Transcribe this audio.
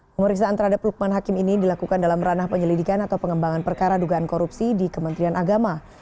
pemeriksaan terhadap lukman hakim ini dilakukan dalam ranah penyelidikan atau pengembangan perkara dugaan korupsi di kementerian agama